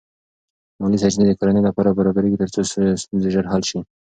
مالی سرچینې د کورنۍ لپاره برابرېږي ترڅو ستونزې ژر حل شي.